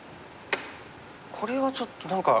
これはちょっと何か。